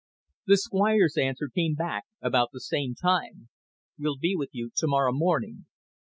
The Squire's answer came back about the same time. "Will be with you to morrow morning."